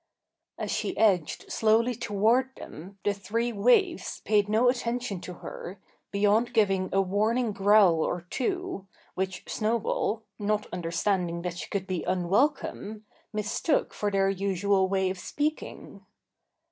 As she edged slowly toward them the three waifs paid no attention to her, beyond giving a warning growl or two, which Snowball not understanding that she could be unwelcome mistook for their usual way of speaking.